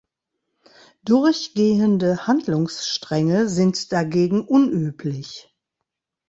Durchgehende Handlungsstränge sind dagegen unüblich.